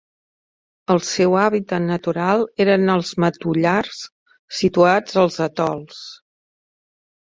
El seu hàbitat natural eren els matollars situats als atols.